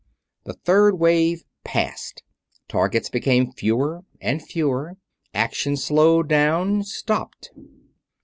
The third wave passed. Targets became fewer and fewer. Action slowed down ... stopped.